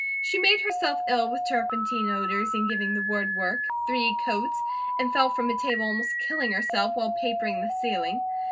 She made herself ill with turpentine odours in giving the woodwork three coats, and fell from a table almost killing herself while papering the ceiling.